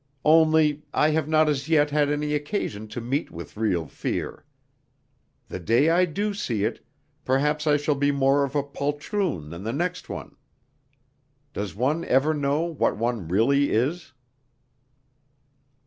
Only, I have not as yet had any occasion to meet with real fear. The day I do see it, perhaps I shall be more of a poltroon than the next one. Does one ever know what one really is?"